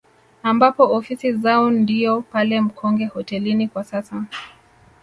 Ambapo ofisi zao ndio pale Mkonge hotelini kwa sasa